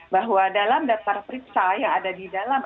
bahwa dalam daftar periksa yang ada di dalam